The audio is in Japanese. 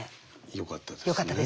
よかったですね。